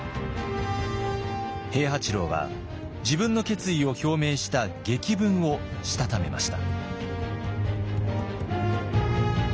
平八郎は自分の決意を表明した檄文をしたためました。